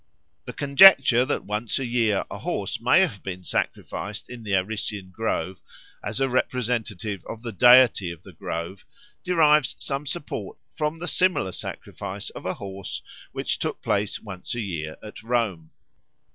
The conjecture that once a year a horse may have been sacrificed in the Arician grove as a representative of the deity of the grove derives some support from the similar sacrifice of a horse which took place once a year at Rome.